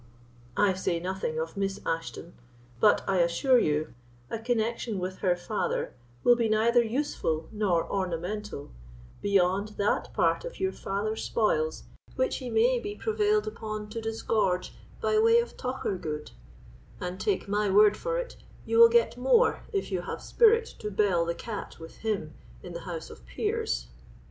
I say nothing of Miss Ashton; but I assure you, a connexion with her father will be neither useful nor ornamental, beyond that part of your father's spoils which he may be prevailed upon to disgorge by way of tocher good; and take my word for it, you will get more if you have spirit to bell the cat with him in the House of Peers.